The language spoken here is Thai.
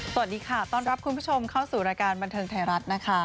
สวัสดีค่ะต้อนรับคุณผู้ชมเข้าสู่รายการบันเทิงไทยรัฐนะคะ